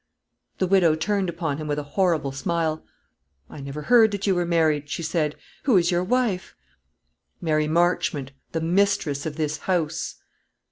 The widow turned upon him with a horrible smile. "I never heard that you were married," she said. "Who is your wife?" "Mary Marchmont, the mistress of this house."